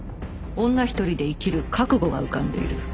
女一人で生きる覚悟が浮かんでいる。